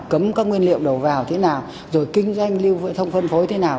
cấm các nguyên liệu đầu vào thế nào rồi kinh doanh lưu thông phân phối thế nào